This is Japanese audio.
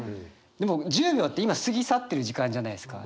でも１０秒って今過ぎ去ってる時間じゃないですか。